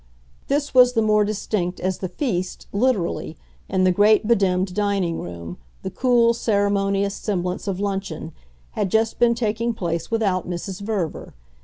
This was the more distinct as the feast, literally, in the great bedimmed dining room, the cool, ceremonious semblance of luncheon, had just been taking place without Mrs. Verver.